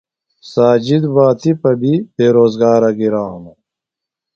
ساجد بہ تِپہ بیۡ بے روزگارہ گِرانوۡ۔